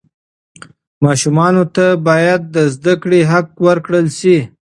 ماشومانو ته باید د زده کړې حق ورکړل سي.